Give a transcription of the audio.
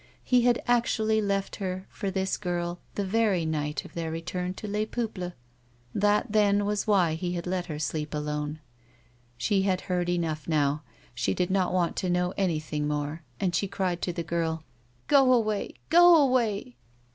He had actually left her for this girl the very night of their return to Les Peuples ! That then, was why he had let her sleep alone. She had heard enough now, she did not want to know any thing more and she cried to the girl :" Go away ! go away